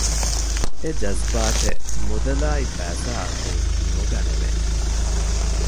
އެޖަޒްބާތެއް މުދަލާއި ފައިސާއަކުން ނުގަނެވޭނެ